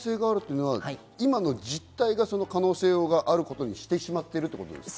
今の実態がその可能性があることにしてしまっているということですか？